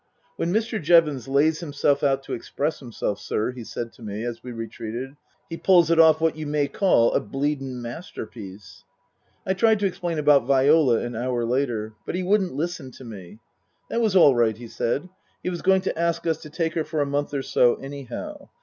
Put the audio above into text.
" When Mr. Jevons lays himself out to express himself, sir," he said to me as we retreated, " he pulls it off what you may call a bleedin' masterpiece." I tried to explain about Viola an hour later. But he wouldn't listen to me. That was all right, he said. He was going to ask us to take her for a month or so anyhow.